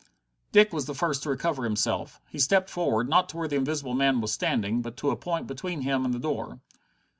Dick was the first to recover himself. He stepped forward, not to where the invisible man was standing, but to a point between him and the door.